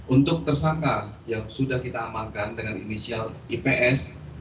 untuk tersangka yang sudah kita amankan dengan inisial ips